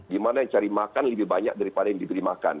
gimana yang cari makan lebih banyak daripada yang diberi makan